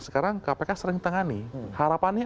sekarang kpk sering tangani harapannya